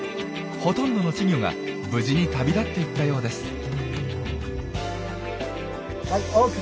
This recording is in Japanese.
ほとんどの稚魚が無事に旅立っていったようです。